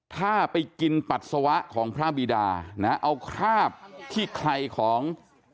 ถ้าไปกินปัสสาวะของพระบีดานะเอาคราบที่ใครของ